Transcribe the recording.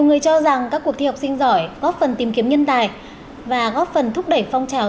người cho rằng các cuộc thi học sinh giỏi góp phần tìm kiếm nhân tài và góp phần thúc đẩy phong trào